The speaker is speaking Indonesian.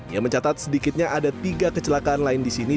yang mencatat sedikitnya ada tiga kecelakaan lain di sini